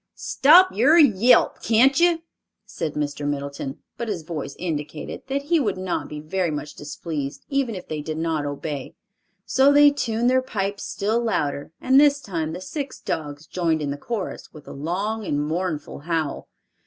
"Stop your yelp, can't you?" said Mr. Middleton, but his voice indicated that he would not be very much displeased even if they did not obey, so they tuned their pipes still louder, and this time the six dogs joined in the chorus, with a long and mournful howl.